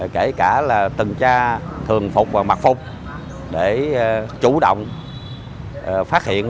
kể cả là từng cha thường phục và mặc phục để chủ động phát hiện